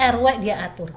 rw dia atur